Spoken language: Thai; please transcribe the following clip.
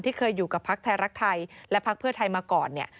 ที่เคยอยู่กับภาคไทยรักไทยและภาคเพื่อไทยมาก่อน